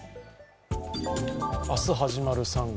明日始まる３月。